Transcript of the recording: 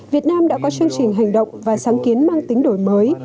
việt nam đã có chương trình hành động và sáng kiến mang tính đổi mới